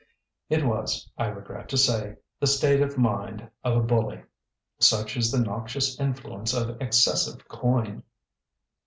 It was, I regret to say, the state of mind of a bully. Such is the noxious influence of excessive coin!